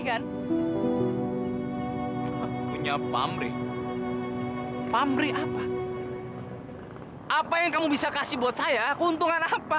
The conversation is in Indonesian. jauh jangan sobrang